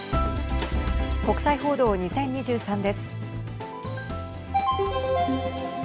国際報道２０２３です。